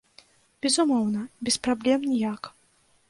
Безумоўна, без праблем ніяк.